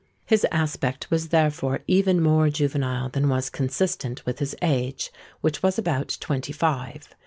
His aspect was therefore even more juvenile than was consistent with his age, which was about twenty five.